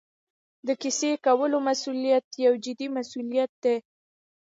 د کیسې کولو مسوولیت یو جدي مسوولیت دی.